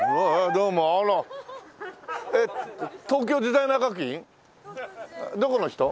どこの人？